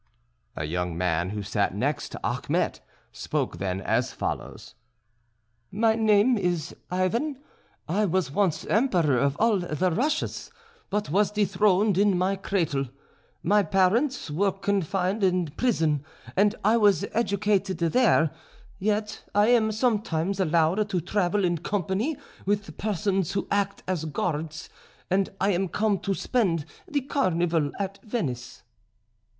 A young man who sat next to Achmet, spoke then as follows: "My name is Ivan. I was once Emperor of all the Russias, but was dethroned in my cradle. My parents were confined in prison and I was educated there; yet I am sometimes allowed to travel in company with persons who act as guards; and I am come to spend the Carnival at Venice."